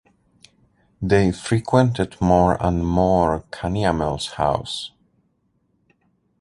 They frequented more an more Canyamel’s house.